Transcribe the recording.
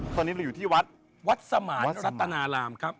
ตอนนี้เราอยู่ที่วัดวัดสมานสัตนารามครับ